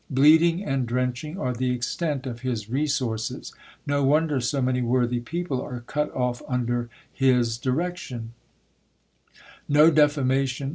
Bleeding and drenching are the extent of his resources. No wonder so many worthy people are cut off under his di rection No defamation